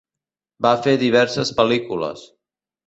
Va fer diverses pel·lícules.